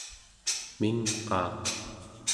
mingqaaq